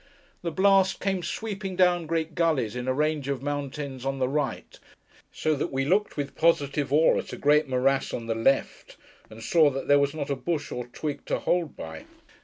The blast came sweeping down great gullies in a range of mountains on the right: so that we looked with positive awe at a great morass on the left, and saw that there was not a bush or twig to hold by.